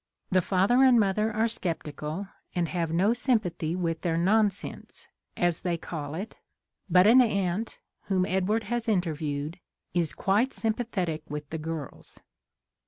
^ The father and mother are sceptical and have no sympathy with their nonsense, as they call it, but an aunt, whom Edward has interviewed, is quite sympathetic with the girls.